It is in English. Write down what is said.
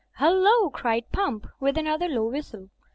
"Hullo!*' cried Pump, with another low whistle.